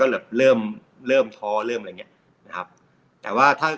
แบบเริ่มเริ่มท้อเริ่มอะไรอย่างเงี้ยนะครับแต่ว่าถ้า